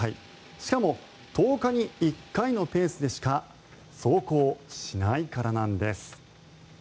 しかも１０日に１回のペースでしか走行しないからなんです。